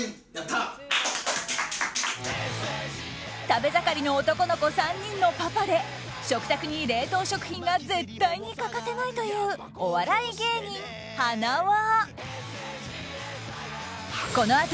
食べ盛りの男の子３人のパパで食卓に冷凍食品が絶対に欠かせないというお笑い芸人はなわ。